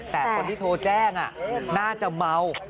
แต่คนที่โทรแจ้งน่าจะเมา